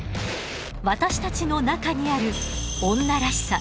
私たちの中にある女らしさ